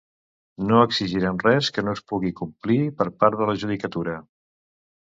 No exigirem res que no es pugui complir per part de la judicatura.